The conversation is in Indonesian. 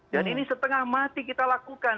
dan ini setengah mati kita lakukan